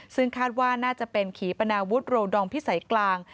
ซึ่งคาดว่าน่าจะเป็นขีปนาวุฒิโรดองพิสัยกลาง